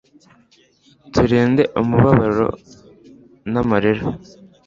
tulinde umubabaro namarira